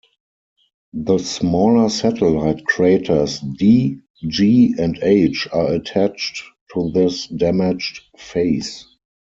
The smaller satellite craters D, G, and H are attached to this damaged face.